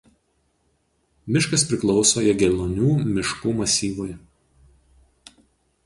Miškas priklauso Jagelonių miškų masyvui.